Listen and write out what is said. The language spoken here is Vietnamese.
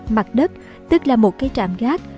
mặt đất tức là một cái trạm gác